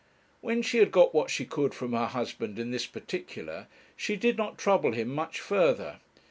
When she had got what she could from her husband in this particular, she did not trouble him much further.